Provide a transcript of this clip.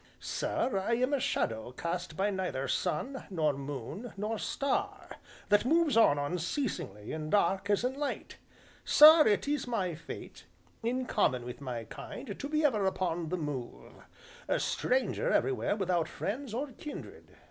"Sir, I am a shadow cast by neither sun, nor moon, nor star, that moves on unceasingly in dark as in light. Sir, it is my fate (in common with my kind), to be ever upon the move a stranger everywhere without friends or kindred.